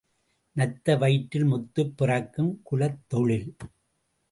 நத்தை வயிற்றில் முத்து பிறக்கும் குலத் தொழில்?